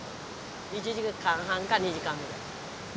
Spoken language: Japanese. １時間半か２時間ぐらい。